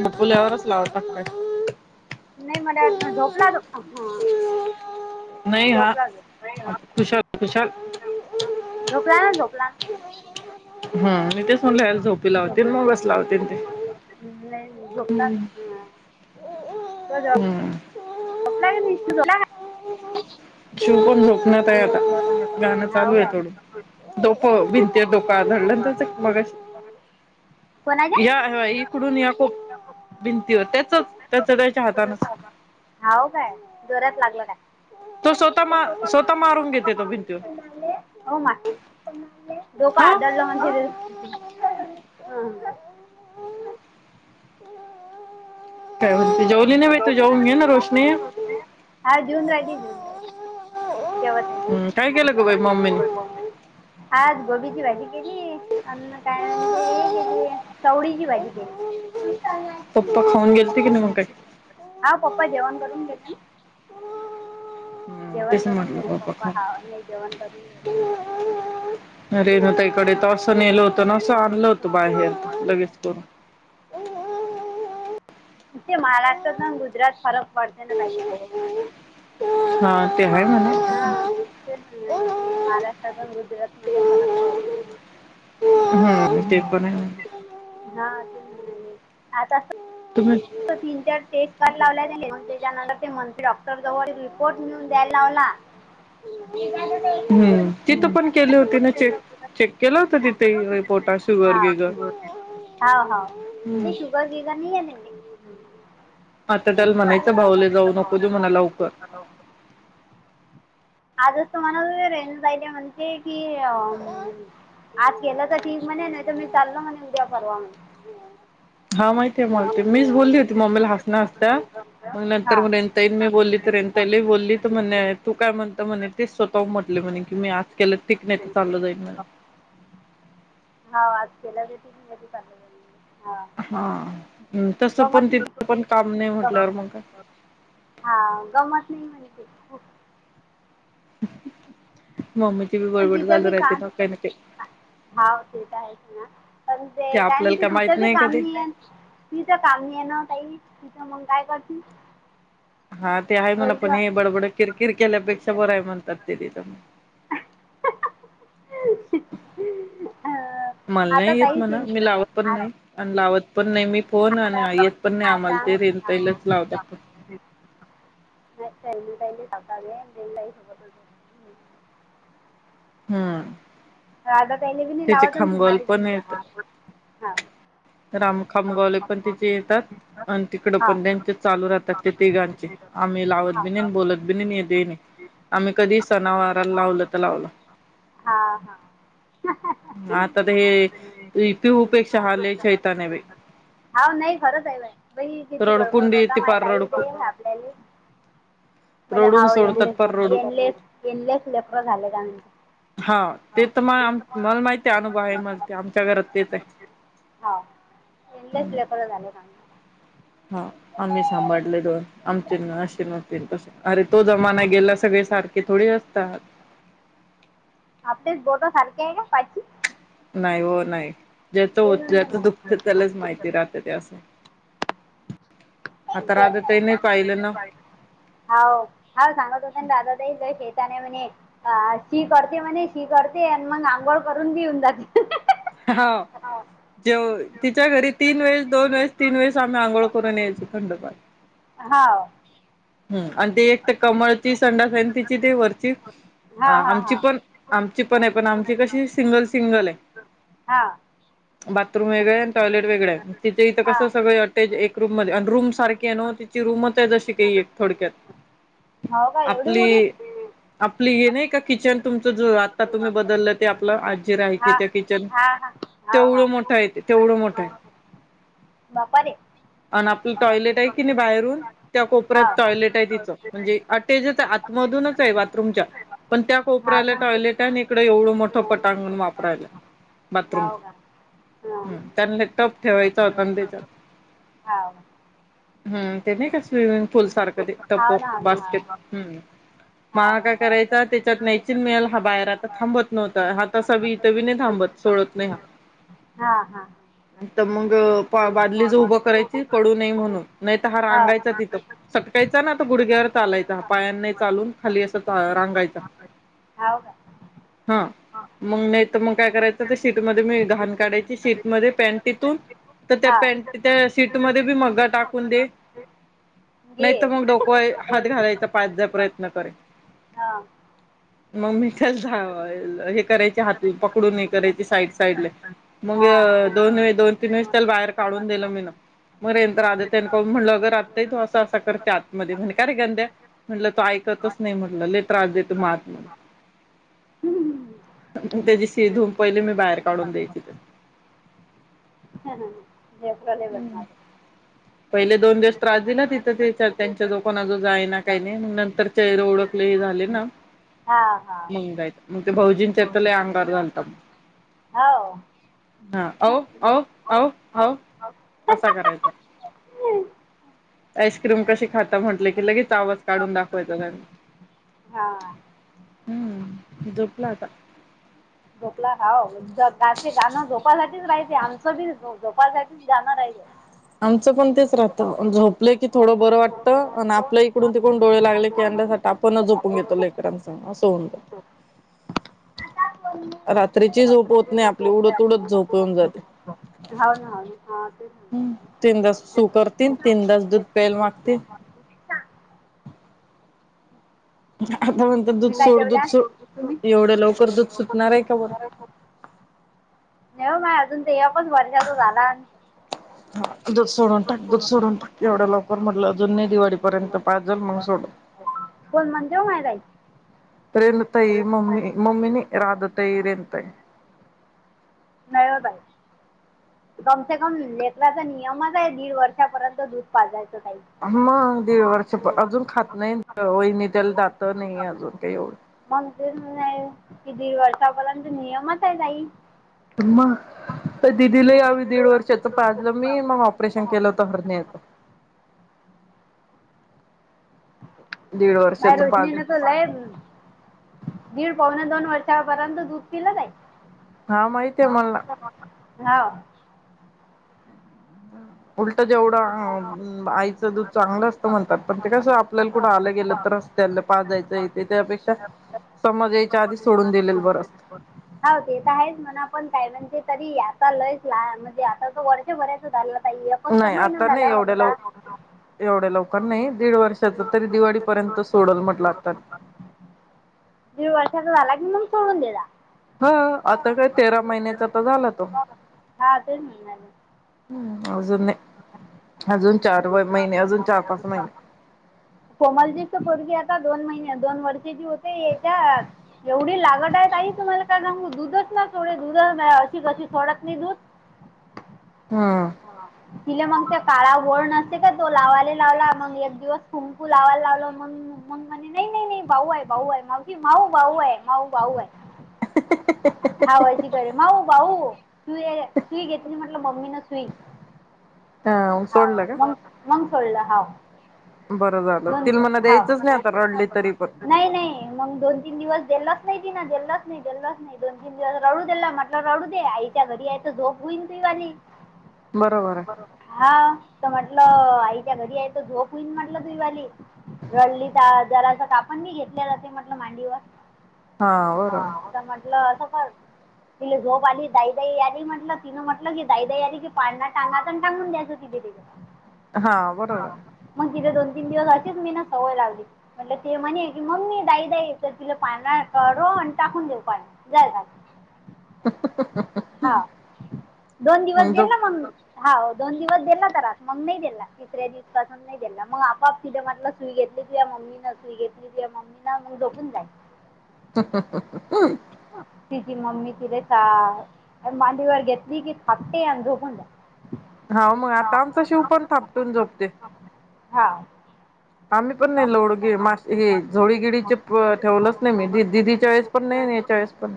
झोपुल्यावरच लाव तक्क [unintelligible] नाही म्हला झोपला तो ह. नाही हा झोपला झो खुशाल खुशाल [unintelligible] झोपला ना झोपला. हा आणि तेच म्हणलं याला [unintelligible] झोपी लावतील मगच लावतील ते नाही झोपला तो आ जा [inaudible] हम्म [unintelligible] झोपाला. शिव पण झोपण्यात आहे आता गाणं काय हो चालू आहे काय थोडं डोकं भिंतीवर डोकं आदळलं ना त्याच मगाशी अरे [unintelligible] या इकडून या खूप भिंतीवर त्याचच त्याच त्याच्या हातानच हाव काय जोरात लागल काय? तो स्वतः मा स्वतः मारून घेतेय तो भिंतीवर. काय हो मा डोका हा आदळलं म्हण हम काय म्हणते जेवली नाही बाई तू जेवून घे ना रोशनी हा जेऊन राहिली जेऊन राहिली जेवत आहे हम्म काय केलं ग जेवत बाई मम्मीने? आहे, हा आज गोबीची भाजी केली अन् काय म्हणजे हे केली, चवळीची भाजी केली. पप्पा खाऊन गेल हा पप्पा जेवण करून गेले ना. हम्म जेवण तेच करून म्हटलं गेले पप्पा खाऊन हा नाही जेवण करून गेले. इकडे तर असं नेल होतं ना असं आणलं होतं बाहेर लगेच करून. [inaudible] ते महाराष्ट्रात ना गुजरात फरक पडते ना काही हा ते म्हणाले महाराष्ट्रात आणि गुज रातमध्ये फरक पडतो. हम ते पण आहे. हा आता तुम्ही त तीन चार टेस् कार लावलाय त्याने म त्याच्यानंतर ते मंत्री डॉक्टर जवळ रिपोर्ट नेऊन द्यायला लावला. त्याच्यात आता एक हम्म दोन तीन तिथं पण केले हजार होती ना चेक. चेक केला होता तिथे रिपोर्टात शुगर बिगर. हा हा नाही शुगर बिगर नाही आहे हम् आता त्याला म्हनायच भाऊले जाऊ नको देऊ मणा लवकर आजच तुमाला रेंज जायले म्हणते कि अ आज केलं तर ठीक म्हणे नाही तर मी चाल्लो म्हणे उद्या परवा म्हण हा माहितीय आहे माहतीय मीच बोलली होती मम्मीला हसण्या हसता मग हा नंतर म्हणेल ताईनं बोल्ली तर रें ताईला बोल्लीत म्हणेल तू काय म्हणत म्हणे ती स्वतःहून म्हटलं म्हणे की मी आज केलं [unintelligible] चाललं जाईल म्हणे हा आज केला [unintelligible] हा हम तसं पण नाही तिथं पण काम नाही गम म्हटल्यावर मग काय. हा गमत नाही म्हणते खूप [inaudible] तीची बी बडबड झालू राहते ना काही ना काही हा ते तर आहेच ना पण ते काय आपल्याला म्हणजे माहित तिथं बी नाही का काम ते नाहीयं. तिचं काम नाही आहे ना काई तिचं मग काय करती हा ते आहे म्हण आपण हे बडबड किरकिर केल्यापेक्षा बरं आहे म्हणतात ते तिथं. ह मला नाही येत म्हणा मी लावत पण आ- नाही आणि लावत पण नाही मी फोन येत पण नाही आता आता आम्हाला ते रेन तईलच लावता पण ह चली टहिली सका ग स हम्म राधा ताई ना पण बी नाही त्याचे लावत ना खामगावले तुम्हाला बी पण नाही लावत हा रामखामगावले पण तिथे येतात आणि तिकड पण हां बँकेत त्यांचे चालू राहतात ते तिघांचे आम्ही लावत हां बि नाही बोलत बि नाही देणे आम्ही कधी सणावारला लावलं तर लावलं हां हां आता ते हे पिहू पेक्षा हा शैताने बे हा नाही खरंच आहे बाइ किची बळबळ कर रडकुंडी का ते माझताई सापड्याली रोडून सोडतात डू एनलेस एनलेस लेकरं झाले का म्हणते हा ते तर मग आम मला माहिती आहे अनुभव आहे मला ते आमच्या घरात तेच आहे यांना चं लेकरं झाले ना हा आम्ही सांभाळले दोन आमचे असे नव्हते तसे अरे तो जमाना गेला. सगळे सारखे थोडे असतात ढ नाही हो नाही ज्याच हो ज्याच दुखत त्यालाच माहिती ते राहते ते असाक ओ [unintelligible] पाहिलं ना हो हा सांगत होता ना दादा ते शैताण आहे म्हणे, ह शी करते म्हणे शी करते आणि मग आंघोळ करून घेऊन जाते. हा जेव तिच्या घरी तीन वेळेस दोन वेळेस तीन वेळेस आम्ही आंघोळ करून यायचो. थंडपाणी हाव हम आणि ते एक तर कमळची संडास आहे आणि तिची ते वरतीच अ हा हा आमची हा पण आमची पण आहे पण आमची कशी सिंगल सिंगल आहे. हा बाथरूम वेगळे आणि टॉयलेट वेगळं, तिथे इथं हा कसं सगळ ऍटच एक रूम मध्ये आणि रूम सारखे आहे ना. ची रुमच आहे जशी काही एक थोडक्यात हो का एवढी आपली मोठी आपली हे नाही का किचन तुमचं जे आता तुम्ही बदललं ते आपलं आजी राहायची हा ते किचन हा हा हा हाव तेवढं मोठं आहे ते तेवढं मोठं आहे. हाव बापा रे आणि आपलं टॉयलेट आहे की नाही बाहेरून त्या कोपऱ्यात टॉयलेट आहे तिचं, म्हणजे अटेजच आत मधूनच आहे बाथरूमच्या पण त्या कोपऱ्याला हां टॉयलेट आणि इकडें एवढं मोठं पटांगण वापरायला बाथरूम ह त्यांना टप ठेवायचा होता आणि त्याच्यात हम्म ते नाही का स्विमिंग पूल सारखं ते टप बास्केट हम्म मला काय करायचा त्याच्यात न्यायची न मिल हा बाहेर आता थांबत नव्हता हा तसा बी हीत बी नाही थांबत. सोडत नाही हा तर मग बादली च उभं करायची पडू नये म्हणून नाही तर हा रांगायचा तिथं सटकायचा ना आता गुडघ्यावर चालायचा पायांन नाही चालून खाली अस रांगायचा. हो हा का मग नाही तर मग काय करायचं शीट मध्ये मी घाण काढायची शीटमध्ये पॅन्टीतून तर त्या पेन्ट त्या शीटमध्ये बी मग्गा टाकून दे. नाही तर घे. मग डोकव हात घालायचा पळायच प्रयत्न करे हा मग मी च धावा हे करायचे हात पकडून एक करायची साईड साईडले मग दोन व दोन तीन वेळेस त्याला बाहेर काढून दिलं मी न मर तर आधी त्यां म्हणलं अगं आत्या तू असं असं करते आतमध्ये म्हणे का रे करतो म्हटलं तू ऐक ऐकतच नाही म्हटलं लईच त्रास देतो मलाल [inaudible] मग त्याची शि धूूवून पहिले मी बाहेर काढून द्यायची त्याला हम् लेवल मागे पहिले दोन दिवस त्रास दिला तिथं त्यांच्या जवळ कोण जाईना काही नाही. तर चेहरे ओळखले ही झाले ना हां हां. मग जाईल. मग ते भाऊजीच्या तेे लय अंगावर जालता हो हा अ अ हो अहो अहो अहो असा करायचा हो आईस्क्रीम कशी खाता म्हंटले की लगेच आवाज काढून दाखवायचा त्यांनी हा हम्म झोपला आता झोपला हाव गाते गाणं झोपासाठीच रायल आमचं बी जोपासाठीच जाणार आहे. आमचं पण तेच राहतं झोपलं की थोडं बरं वाटतं आणि आपल्या इकडून तिकून डोळे लागले की आपणच झोपून घेतो ललेकरांच असं म्हणत आता रात्रीची झोप होत नाही आपली उडत उडत झोप येऊन जाते ह हा ते तीन तास सू करतील तीन तास दूध प्यायला मागतील. हम् आता म्हणतात दूध मी का सोड तेव दूध तुम्ही सोड एवढं लवकर दूध सुटणार आहे का बरं. नऊ म खच वर्षा त झाला दू सोडून टाक दू सोडून टाक एवढा लवकर म्हटलं अजून नाही दिवाळीपर्यंत पाच झाल म्हगून सोड ह कोण म्हणजेव मायलाई रेण तई मम्मी मम्मी नाही राधतई रेनताई नयो बाय कमसे कम लेक्राचा नियमच आहे दीड वर्षापर्यंत दूध पाजायच मग दीड वर्ष अजून खात नाही वहिणी त्याला दात नाही अजून का एवढं मग नाही कि दीड वर्ष आपलांत नियमच आहे काई तु्हा दिदीला यावी दीड वर्षाच पाजलं मी मग ऑपरेशन केलं होत हरणीेतं ह दीड बाय वर्षाच पाज रोशनी न तर लय दीड पवना दोन वर्षापर्यंत दूप केलं नाही हा माहिती आहे मला ह उलट जेवढं आईचं दूध चांगलं असतं म्हणतात पण ते कसं आपल्याला कुठं आलं गेलं तर त्यांना पास जायच येते त्यापेक्षा हो समाजाच्या आधी सोडून दिलेलं बरं असतं ते तर आहेच म्हणा पण काय म्हणजे तरी आता लय लाान म्हणजे आता तर वर्ष भरायचं झाललंता कस् नाही महिना आता नाही झाला एवढ्या लवकर ह एवढ्या लवकर नाही दीड वर्षाच तरी दिवाळीपर्यंत सोडल म्हट लागतात दीड वर्षाचा झाला की मग सोडून देला हा आता काय तेरा महिन्याचा तर झाला तो् हा तेच म्हणणार मी अजून अजून चार व महिने अजून चार पाच महिने कोमलजीच बोरगी आता दोन महिने दोन वर्षेची होते याच्यात एवढी लागड आहेत आई तुम्हाला काय सांगू दुधच ना थोडे दुध अशी कशी सोडत नाही दूध हां तिले मग त्या काळा वड नसते का तो लावायला लावला मग एक दिवस कुंकू लावायला लावल मग मग म्हणे नाही नाही नाही भाऊ आहे भाऊ आहे मागी माऊ भाऊ आहे माऊ भाऊ आहे हावाची कर माऊ भाऊ सु सुई घेत म्हटल मम्मी न सु ह सोडलं म मंग सोडलं हा बरोबर दन हा पण नाही नाही मग दोन तीन दिवस गलाच नाही नाही गललाच नाही गेल्लाच नाही दोन तीन दिवस रडू देला म्हट रडू दे आईच्या घरी आहे त झोप होईन त बरोबर वाज आहे हा तर म्हटलं आईच्या घरी आहे त झोप होईल म्हटलं तुईवाली रडली तर जराच का आपण बी घेतलेलं ते म्हटलं मांडीवर हा बरोबर हा तर म्हंटलं असं तिली झोप आली दाई दई आली म्हटलं तिनं म्हटलं की दाई दई आली की टांगा टांगून द्यायच हो तिथे हा बरोबर मग तिथ दोन तीन दिवस अशीच मी ना सवय लागली म्हट ते म्हणे की मम्मी दाई दई तर तिला पान करून तकून देऊ पण जाय काात हा दोन दिवस आहे. गेल झोप ना मग हा दोन दिवस गला तर मग नाही गला तिसऱ्या दिवसून नाही ग दिला मग आपाआप तिथे म्हटलं सुई घेतली क मग मम्मी न स्वी घेतली क मम्मी ना मग डोघून द ह तिची मम्मी ति रता मांडीवर घेतली की थापतेे अधोकून द हा मग आता आमचा शिव पण थापटून जोपते हा आम्ही पण नाही लोडग मा हे झोडीगिडीचे प ठेवलंच नाही मी ददीच्या वेळेस पण नाही चस पण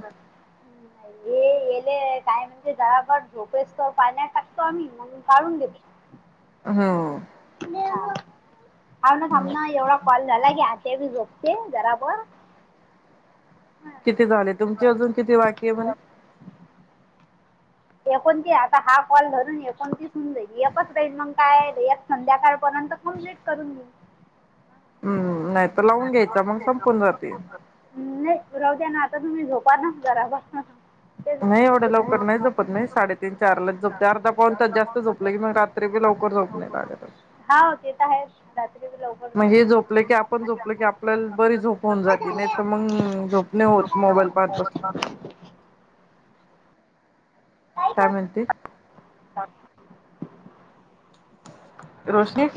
ह् ये काय म्हणजे जरापर झोपेसतो पाळ टाकतो आम्ही म्हणून काढून गेलो होम अन मना एवढा कॉल झाला की आता बी झोपते जराबर किती झाले तुमची अजून किती बाकी आहे म्हणे एकोण तती आता हा कॉल धरून एकोण ती सून जाईल एकच राईल मग काय संध्याकाळपर्यंत कमप्लीट करून घेऊ हम्म नाही तर लावून घ्यायचा मग संपून जाते रव्या ना आता तुम्ही झोप नस घरा बास नाही एवढं लवकर नाही जपत नाही साडेतीीन चारलाच जपते अर्ध पाऊनात जास्त जोपलं की मग रात्री बी लवकर झ हा ते आहे रात्री लवकर मग झोप झोपले नाही की आपण झोप की आपल्याला बरी झोप होऊन जाती नाही तर मग झोपणे होत मोबाईल पाहत बसले [unintelligible] काय म्हणते का रोशनी